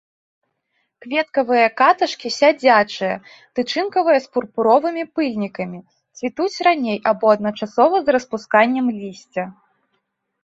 Кветкавыя каташкі сядзячыя, тычынкавыя з пурпуровымі пыльнікамі, цвітуць раней або адначасова з распусканнем лісця.